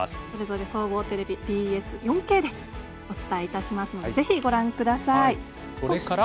それぞれ総合テレビ、ＢＳ４Ｋでお伝えしますのでぜひご覧ください。